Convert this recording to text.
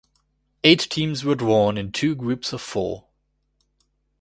Eight teams were drawn in two groups of four.